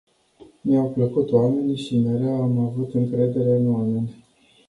Mi-au plăcut oamenii și mereu am avut încredere în oameni.